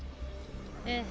ええ。